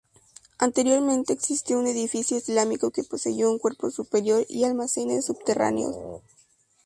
Anteriormente existió un edificio islámico que poseyó un cuerpo superior y almacenes subterráneos.